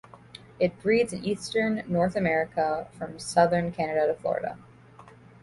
It breeds in eastern North America from southern Canada to Florida.